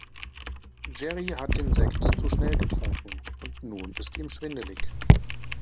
Jerry hat den Sekt zu schnell getrunken und nun ist ihm schwindelig.